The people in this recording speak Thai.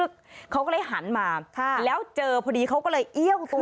เขาก็เลยหันมาแล้วเจอพอดีเขาก็เลยเอี้ยวตัว